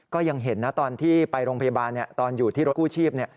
ก็ยังเห็นนะตอนที่ไปโรงพยาบาลตอนอยู่ที่รถกู้ชีพ